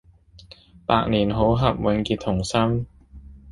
百年好合、永結同心